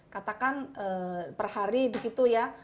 katakan per hari begitu ya